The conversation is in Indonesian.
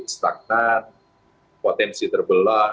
stagnan potensi terbelah